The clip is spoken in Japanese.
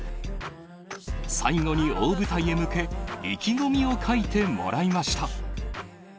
最後に大舞台へ向け、意気込みを書いてもらいました。